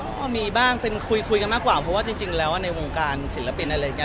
ก็มีบ้างเป็นคุยกันมากกว่าเพราะว่าจริงแล้วในวงการศิลปินอะไรอย่างนี้